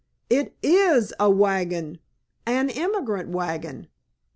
"It is a wagon—an emigrant wagon!"